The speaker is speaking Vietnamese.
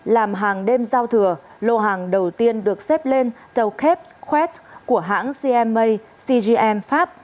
làm hàng đêm giao thừa lô hàng đầu tiên được xếp lên tàu kept quest của hãng cma cgm pháp